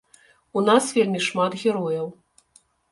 У нас вельмі шмат герояў.